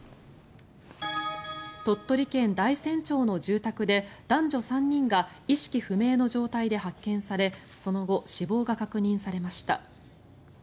鳥取県大山町の住宅で男女３人が意識不明の状態で発見されその後、死亡が確認されました。